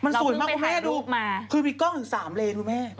มันสวยมากคุณแม่ดูคือมีกล้องถึง๓เลนคุณแม่